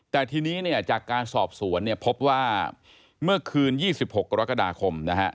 แต่ทีนี้เนี่ยจากการสอบสวนเนี่ยพบว่าเมื่อคืน๒๖กรกฎาคมนะฮะ